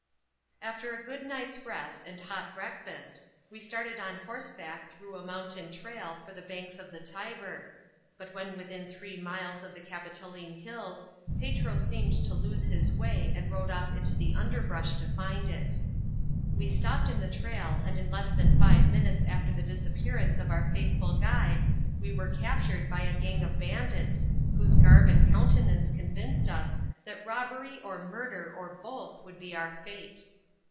After a good night's rest and hot breakfast, we started on horseback through a mountain trail for the banks of the Tiber, but when within three miles of the Capitoline hills Petro seemed to lose his way and rode off into the underbrush to find it. We stopped in the trail, and in less than five minutes after the disappearance of our faithful guide we were captured by a gang of bandits, whose garb and countenance convinced us that robbery or murder or both would be our fate.